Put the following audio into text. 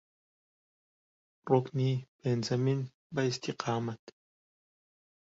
ڕوکنی پێنجەمین بە ئیستیقامەت